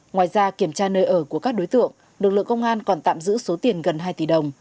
ngoài ra kiểm tra nơi ở của các đối tượng lực lượng công an còn tạm giữ số tiền gần hai tỷ đồng